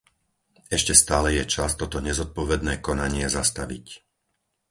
Ešte stále je čas toto nezodpovedné konanie zastaviť.